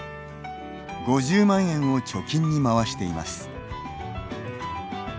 ５０万円を貯金にまわしています。